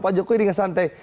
pak jokowi ini tidak santai